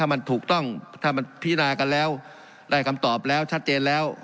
มันถูกต้องถ้ามันพินากันแล้วได้คำตอบแล้วชัดเจนแล้ว